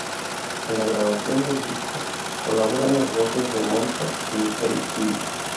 En la grabación del disco colaboran las voces de Moncho y Miquel Gil.